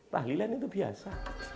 tahlilan itu biasa